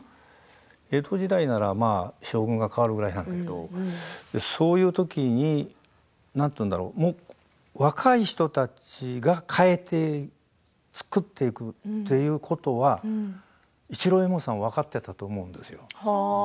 江戸時代ならまあ将軍が替わるくらいなんだけどそういうときになんて言うんだろう若い人たちが変えて作っていくということは市郎右衛門さん分かっていたと思うんですよ。